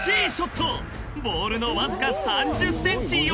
［ボールのわずか３０ｃｍ横］